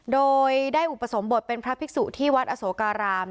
โดยได้อุปสมบทเป็นพระภิกษุที่วัดอโสการาม